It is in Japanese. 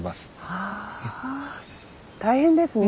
はあ大変ですね。